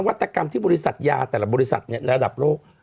วัตกรรมที่บริษัทยาแต่ละบริษัทระดับโลก